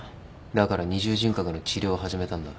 だから二重人格の治療を始めたんだ。